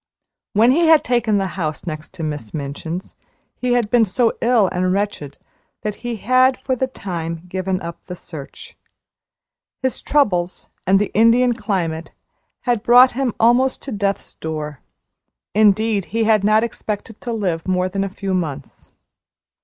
When he had taken the house next to Miss Minchin's he had been so ill and wretched that he had for the time given up the search. His troubles and the Indian climate had brought him almost to death's door indeed, he had not expected to live more than a few months.